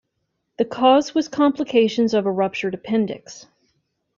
The cause was complications of a ruptured appendix.